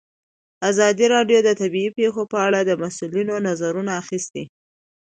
ازادي راډیو د طبیعي پېښې په اړه د مسؤلینو نظرونه اخیستي.